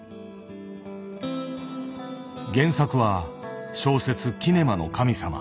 原作は小説「キネマの神様」。